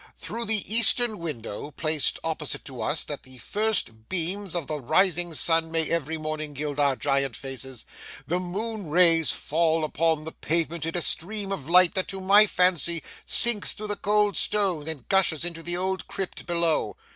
Through the eastern window—placed opposite to us, that the first beams of the rising sun may every morning gild our giant faces—the moon rays fall upon the pavement in a stream of light that to my fancy sinks through the cold stone and gushes into the old crypt below.